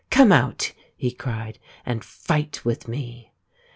"Come out," he cried, " and fight with me."